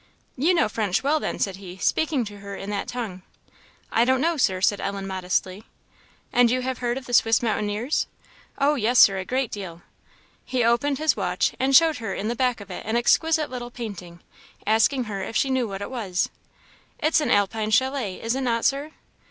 "You know French well, then?" said he, speaking to her in that tongue. "I don't know, Sir," said Ellen, modestly. "And you have heard of the Swiss mountaineers?" "Oh yes, Sir; a great deal." He opened his watch and showed her in the back of it an exquisite little painting, asking her if she knew what it was. "It is an Alpine chalet, is it not, Sir?"